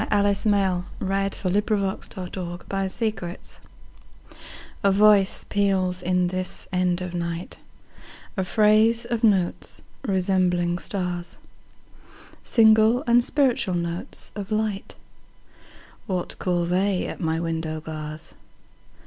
Alice Meynell1847–1922 A Thrush before Dawn A VOICE peals in this end of nightA phrase of notes resembling stars, Single and spiritual notes of light. What call they at my window bars?